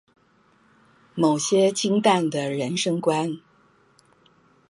某些清談的人生觀